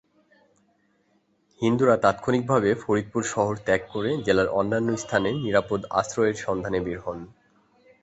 হিন্দুরা তাৎক্ষণিকভাবে ফরিদপুর শহর ত্যাগ করে জেলার অন্যান্য স্থানে নিরাপদ আশ্রয়ের সন্ধানে বের হন।